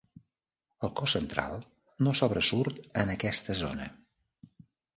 El cos central no sobresurt en aquesta zona.